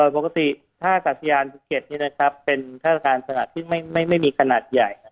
ปกติถ้าศาสตร์สี่ยาน๑๗นี่นะครับเป็นข้าระการสนับที่ไม่มีขนาดใหญ่